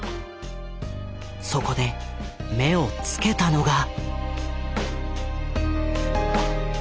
そこで目を付けたのが。